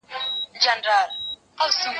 ځوانان خاورو ايرو وخوړل .